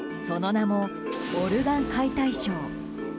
その名もオルガン解体ショー。